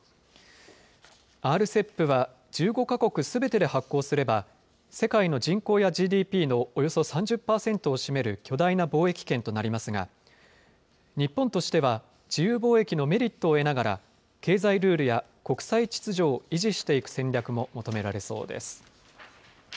ＲＣＥＰは１５か国すべてで発効すれば、世界の人口やＧＤＰのおよそ３０％を占める巨大な貿易圏となりますが、日本としては自由貿易のメリットを得ながら、経済ルールや国際秩序を維持していく戦略も求められそうです。